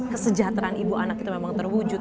kesejahteraan ibu anak itu memang terwujud